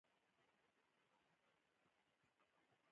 خوږه ژبه هغه ده چې زړونو ته لار وکړي.